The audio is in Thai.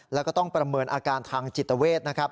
แล้วก็ต้องประเมินอาการทางจิตเวทนะครับ